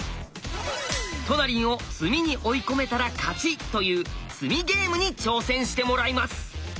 トナリンを詰みに追い込めたら勝ちという「詰みゲーム」に挑戦してもらいます！